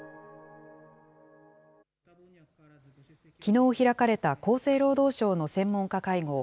きのう開かれた厚生労働省の専門家会合。